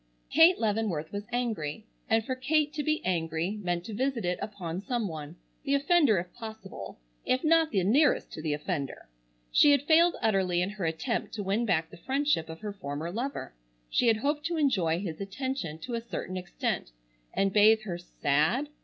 Kate Leavenworth was angry, and for Kate to be angry, meant to visit it upon some one, the offender if possible, if not the nearest to the offender. She had failed utterly in her attempt to win back the friendship of her former lover. She had hoped to enjoy his attention to a certain extent and bathe her sad